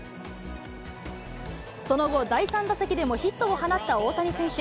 その後、第３打席でもヒットを放った大谷選手。